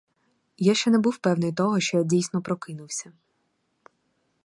Я ще не був певний того, що я дійсно прокинувся.